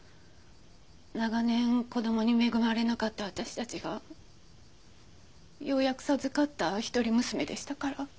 長年子供に恵まれなかった私たちがようやく授かった一人娘でしたから。